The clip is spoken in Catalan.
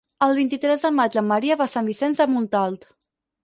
El vint-i-tres de maig en Maria va a Sant Vicenç de Montalt.